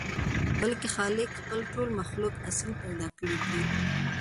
بلکې خالق خپل ټول مخلوق اصيل پيدا کړي دي.